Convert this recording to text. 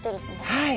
はい。